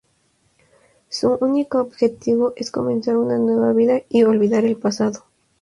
Su único objetivo es comenzar una nueva vida y olvidar el pasado.